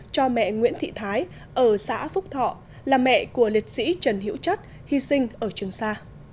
cho mẹ nguyễn thị thái ở xã phúc thọ là mẹ của liệt sĩ trần hiễu chất hy sinh ở trường sa